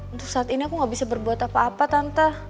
untuk saat ini aku gak bisa berbuat apa apa tante